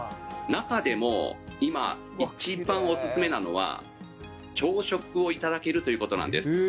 「中でも今一番オススメなのは朝食をいただけるという事なんです」